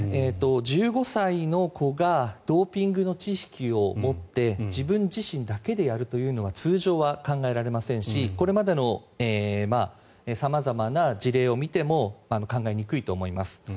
１５歳の子がドーピングの知識を持って自分自身だけでやるというのは通常は考えられませんしこれまでの様々な事例を見ても考えにくいと思います。